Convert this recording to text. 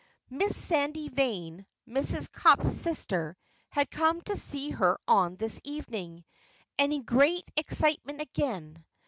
Miss Sadie Vane, Mrs. Cupp's sister, had come to see her on this evening, and in great excitement again.